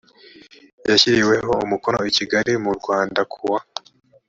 yashyiriweho umukono i kigali mu rwanda ku wa